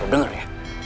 lo denger ya